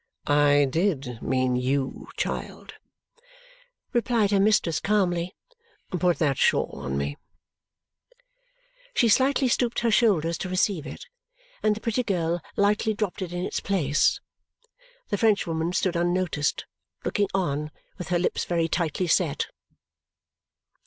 "I did mean you, child," replied her mistress calmly. "Put that shawl on me." She slightly stooped her shoulders to receive it, and the pretty girl lightly dropped it in its place. The Frenchwoman stood unnoticed, looking on with her lips very tightly set.